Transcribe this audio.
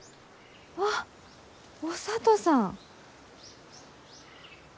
あっお聡さん。